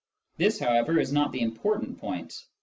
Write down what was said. This, however, is not the important point.